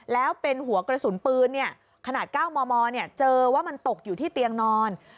แล้วเป็นหัวกระสุนปืนขนาด๙มมเจอว่ามันตกอยู่ที่เตียงนอน